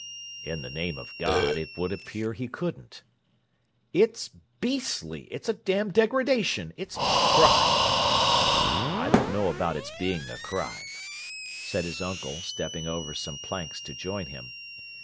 "In the name of God, it would appear he couldn't." "It's beastly! It's a damn degradation! It's a crime!" "I don't know about its being a crime," said his uncle, stepping over some planks to join him.